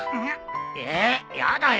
えっやだよ。